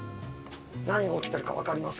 何が起きてるか分かりますか？